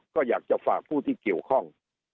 ก็อยากจะฝากผู้ที่เกี่ยวข้อง